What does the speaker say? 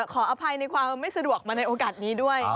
ขออภัยในความไม่สะดวกมาในโอกาสนี้ด้วย